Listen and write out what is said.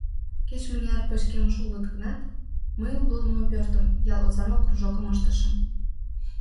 Кеч-мыняр пычкемыш улыт гынат, мый лудмо пӧртым, ял озанлык кружокым ыштышым...